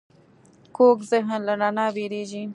کوږ ذهن له رڼا وېرېږي